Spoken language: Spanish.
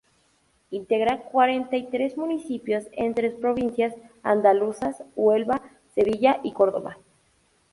Integra cuarenta y tres municipios en tres provincias andaluzas: Huelva, Sevilla y Córdoba.